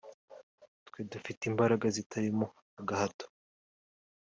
twe dufite imbaraga zitarimo agahato"